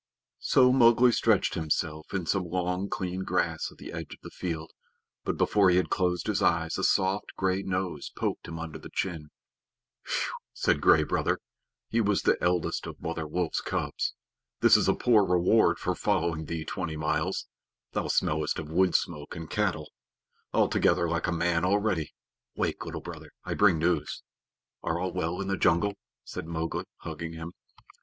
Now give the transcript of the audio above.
So Mowgli stretched himself in some long, clean grass at the edge of the field, but before he had closed his eyes a soft gray nose poked him under the chin. "Phew!" said Gray Brother (he was the eldest of Mother Wolf's cubs). "This is a poor reward for following thee twenty miles. Thou smellest of wood smoke and cattle altogether like a man already. Wake, Little Brother; I bring news." "Are all well in the jungle?" said Mowgli, hugging him.